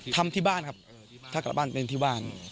ทำที่บ้านครับถ้ากลับบ้านเป็นที่บ้าน